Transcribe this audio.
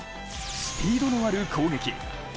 「スピードのある攻撃」。